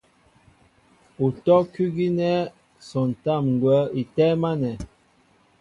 Utɔ́' kʉ́ gínɛ́ sɔntám ŋgwα̌ í tɛ́ɛ́m ánɛ̄.